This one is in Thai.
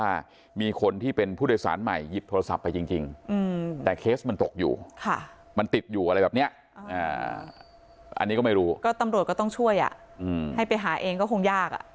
อันนี้ก็ไม่รู้ก็ตำรวจก็ต้องช่วยอ่ะอืมให้ไปหาเองก็คงยากอ่ะ